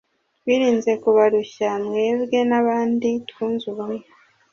twirinze kubarushya, mwebwe n'abandi twunze ubumwe